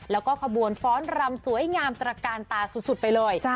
แล้วก็ขบวนฟ้อนรำสวยงามตระกาลตาสุดไปเลย